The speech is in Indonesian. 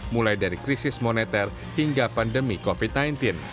mulai dari krisis moneter hingga pandemi covid sembilan belas